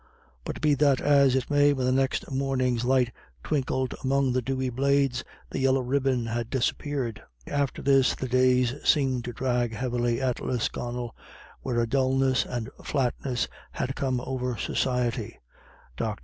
But be that as it may, when the next morning's light twinkled among the dewy blades, the yellow ribbon had disappeared. After this the days seemed to drag heavily at Lisconnel, where a dulness and flatness had come over society. Dr.